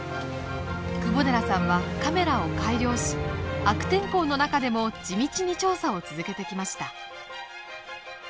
窪寺さんはカメラを改良し悪天候の中でも地道に調査を続けてきました。